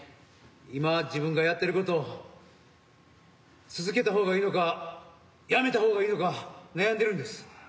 今自分がやってることを続けた方がいいのかやめた方がいいのか悩んでるんです。